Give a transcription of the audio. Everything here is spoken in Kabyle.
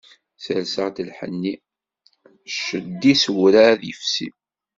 Serseɣ-d lḥenni, cced-is werɛad yefsi.